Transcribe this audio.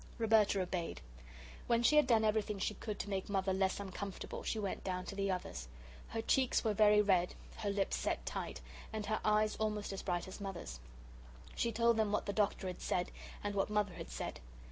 Roberta obeyed. When she had done everything she could to make Mother less uncomfortable, she went down to the others. Her cheeks were very red, her lips set tight, and her eyes almost as bright as Mother's. She told them what the Doctor had said, and what Mother had said.